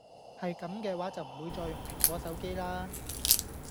係咁既話就唔會再用蘋果手機啦